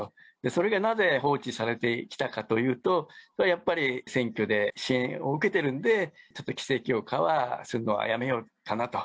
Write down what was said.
それがなぜ放置されてきたかというと、それはやっぱり、選挙で支援を受けてるので、ちょっと規制強化はするのはやめようかなと。